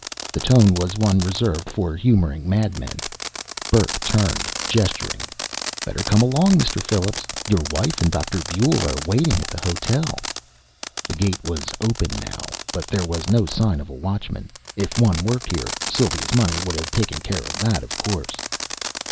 The tone was one reserved for humoring madmen. Burke turned, gesturing. "Better come along, Mr. Phillips. Your wife and Dr. Buehl are waiting at the hotel." The gate was open now, but there was no sign of a watchman; if one worked here, Sylvia's money would have taken care of that, of course.